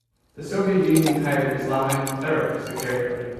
The Soviet Union hired Islamic clerics to carry out.